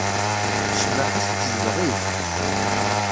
Cbaḥa-s tezdeɣ-it.